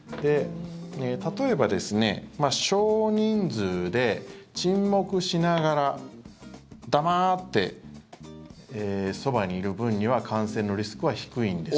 例えば、少人数で沈黙しながら黙ってそばにいる分には感染のリスクは低いんです。